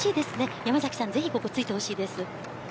山崎さんは、ぜひここをついてほしいです。